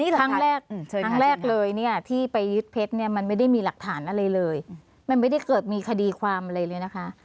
ทั้งแรกเลยที่ไปยึดเพชรมันไม่ได้มีหลักฐานอะไรเลยมันไม่ได้เกิดมีคดีความอะไรเลยนะคะ